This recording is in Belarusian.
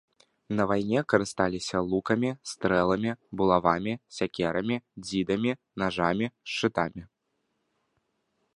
На вайне карысталіся лукамі, стрэламі, булавамі, сякерамі, дзідамі, нажамі, шчытамі.